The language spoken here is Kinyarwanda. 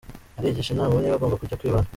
Aragisha inama, niba agomba kujya kwibana?.